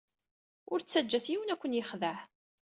Ur ttaǧǧat yiwen ad ken-yexdeɛ.